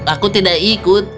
aku tidak ikut